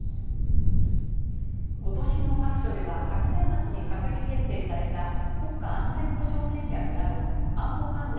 ことしの白書では、昨年末に閣議決定された国家安全保障戦略など安保関連